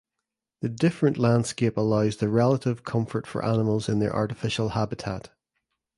The different landscape allows the relative comfort for animals in their artificial habitat.